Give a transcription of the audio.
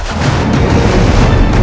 aku ingin menemukanmu